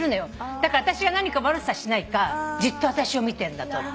だから私が何か悪さしないかじっと私を見てるんだと。